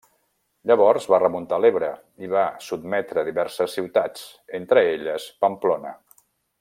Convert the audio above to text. Llavors va remuntar l'Ebre i va sotmetre diverses ciutats, entre elles Pamplona.